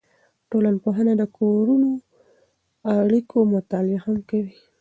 ټولنپوهنه د کورنیو اړیکو مطالعه هم کوي.